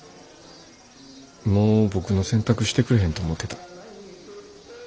もう僕の洗濯してくれへんと思うてた。